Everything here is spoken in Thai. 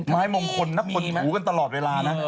ไม้มงคลนับคนหูกันตลอดเวลานะ